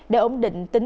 để ổn định tính